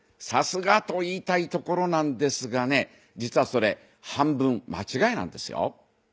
さすがと言いたいところなんですがね実はそれ半分間違いなんですよ。